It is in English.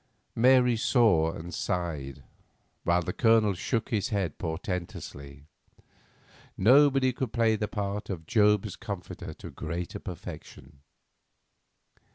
Mary saw and sighed; while the Colonel shook his head portentously. Nobody could play the part of Job's comforter to greater perfection.